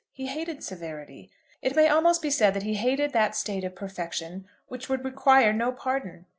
He hated severity. It may almost be said that he hated that state of perfection which would require no pardon.